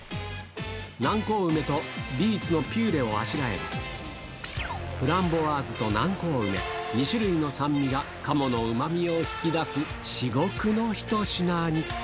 南高梅とビーツのピューレをあしらえば、フランボワーズと南高梅、２種類の酸味が鴨のうまみを引き出す至極の一品に。